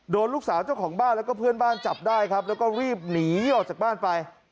ลูกสาวเจ้าของบ้านแล้วก็เพื่อนบ้านจับได้ครับแล้วก็รีบหนีออกจากบ้านไป